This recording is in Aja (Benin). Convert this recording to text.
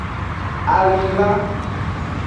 Alinlan.